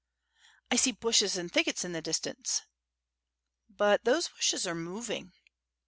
"I see bushes and thickets in the distance.*' "But those bushes are moving."